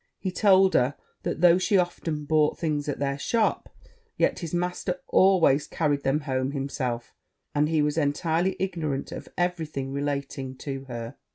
He told her, that though she often bought things at their shop, yet his master always carried them home himself, and he was entirely ignorant of every thing relating to her.